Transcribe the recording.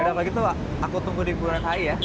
yaudah apa gitu aku tunggu di bundaran hai ya